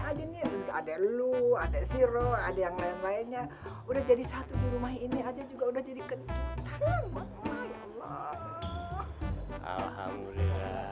ada yang lain lainnya udah jadi satu di rumah ini aja juga udah jadi ke